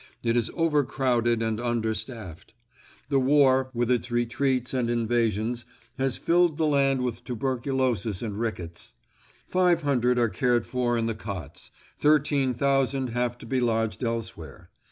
It is over crowded and under staffed. The war, with its retreats and invasions, has filled the land with tuberculosis and rickets. Five hundred are cared for in the cots; thirteen thousand have to be lodged elsewhere.